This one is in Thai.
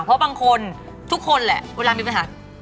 เพราะบางคนทุกคนแหละเวลามีปัญหา